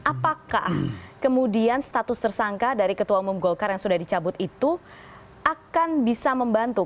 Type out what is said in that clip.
apakah kemudian status tersangka dari ketua umum golkar yang sudah dicabut itu akan bisa membantu